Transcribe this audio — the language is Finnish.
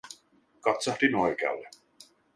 Katsahdin oikealle.